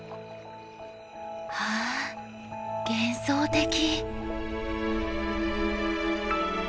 わあ幻想的！